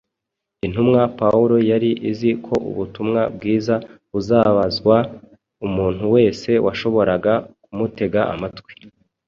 Intumwa Pawulo yari azi ko ubutumwa bwiza buzabazwa umuntu wese washoboraga kumutega amatwi.